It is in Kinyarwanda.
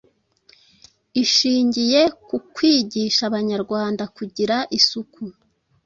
ishingiye ku kwigisha abanyarwanda kugira isuku,